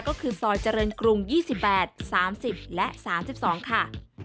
ก็คือซอยเจริญกรุง๒๘๓๐และ๓๒ค่ะ